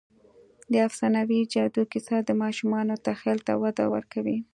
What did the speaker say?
د افسانوي جادو کیسه د ماشومانو تخیل ته وده ورکوي.